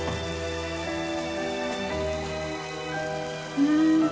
うん！